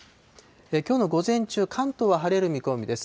きょうの午前中、関東は晴れる見込みです。